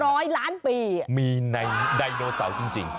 ร้อยล้านปีมีในไดโนเสาร์จริง